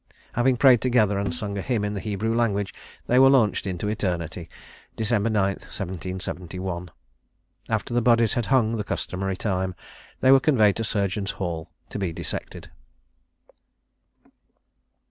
Having prayed together, and sung a hymn in the Hebrew language, they were launched into eternity, December 9, 1771. After the bodies had hung the customary time, they were conveyed to Surgeons' Hall to be dissected.